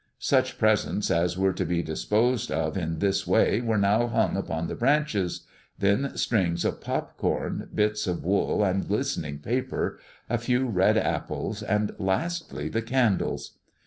Such presents as were to be disposed of in this way were now hung upon the branches; then strings of pop corn, bits of wool, and glistening paper, a few red apples, and lastly the candles.